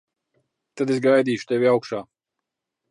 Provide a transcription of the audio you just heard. Tad es gaidīšu tevi augšā.